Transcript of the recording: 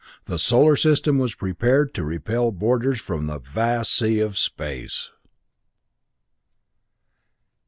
The Solar System was prepared to repel boarders from the vast sea of space!